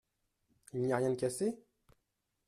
Il n’y a rien de cassé ?